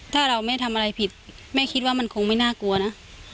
ถ้าเราไม่ทำอะไรผิดแม่คิดว่ามันคงไม่น่ากลัวนะ